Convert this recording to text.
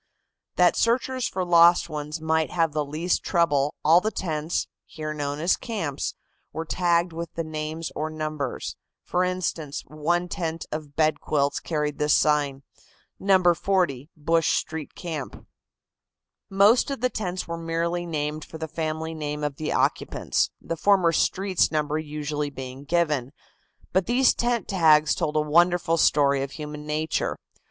That searchers for lost ones might have the least trouble, all the tents, here known as camps, were tagged with the names or numbers. For instance, one tent of bed quilts carried this sign: "No. 40 Bush Street camp." Most of the tents were merely named for the family name of the occupants, the former streets number usually being given. But these tent tags told a wonderful story of human nature.